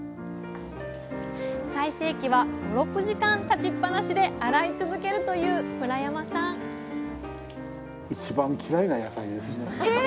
最盛期は５６時間立ちっぱなしで洗い続けるという村山さんえ